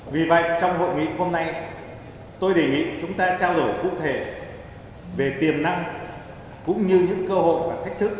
vì vậy trong hội nghị hôm nay tôi đề nghị chúng ta trao đổi cụ thể về tiềm năng cũng như những cơ hội và thách thức